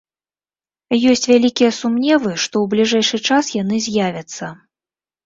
Ёсць вялікія сумневы, што ў бліжэйшы час яны з'явяцца.